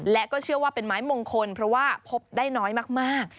และก็เชื่อว่าเป็นไม้มงคลเพราะว่าพบได้น้อยมาก